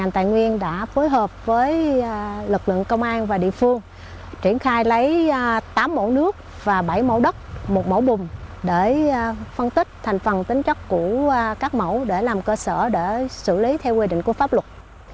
tài nguyên đã phối hợp với lực lượng công an và địa phương triển khai lấy tám mẫu nước và bảy mẫu đất một mẫu bùm để phân tích thành phần tính chất của các mẫu để làm cơ sở để xử lý theo quy định của pháp luật